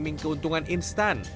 akan mencari keuntungan instan